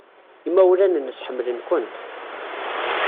Imawlan-nnes ḥemmlen-kent.